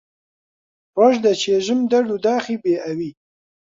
ڕۆژ دەچێژم دەرد و داخی بێ ئەوی